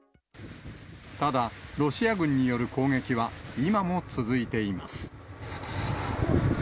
ただ、ロシア軍による攻撃は、今も続いています。